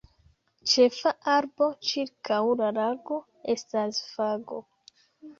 Ĉefa arbo ĉirkaŭ la lago estas fago.